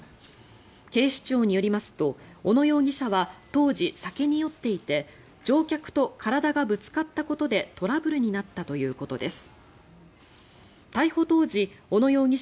警視庁によりますと小野容疑者は当時、酒に酔っていて乗客と体がぶつかったことでトラブルになったということです。